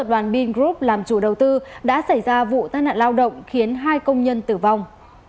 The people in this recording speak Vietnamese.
đoàn bing group làm chủ đầu tư đã xảy ra vụ tai nạn lao động khiến hai công nhân tử vong